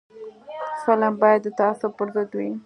فلم باید د تعصب پر ضد وي